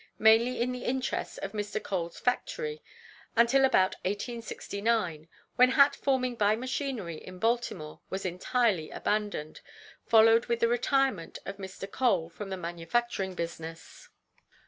mainly in the interest of Mr. Cole's factory, until about 1869, when hat forming by machinery in Baltimore was entirely abandoned, followed with the retirement of Mr. Cole from the manufacturing business.